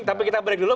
tapi kita break dulu